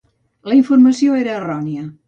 La informació era errònia.